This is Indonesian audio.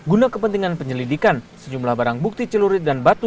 guna kepentingan penyelidikan sejumlah barang bukti celurit dan batu